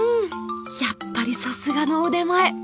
やっぱりさすがの腕前！